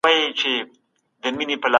که نظريه عملي سي نو مهارت ته اړتيا وي.